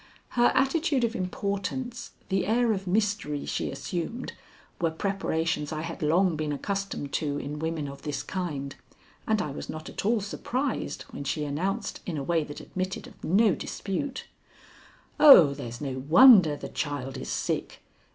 Her attitude of importance, the air of mystery she assumed, were preparations I had long been accustomed to in women of this kind, and I was not at all surprised when she announced in a way that admitted of no dispute: "Oh, there's no wonder the child is sick.